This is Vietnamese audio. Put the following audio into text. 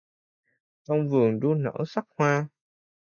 Trong vườn đua nở sắc hoa